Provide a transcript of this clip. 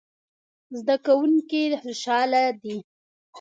زده کوونکي خوشحاله دي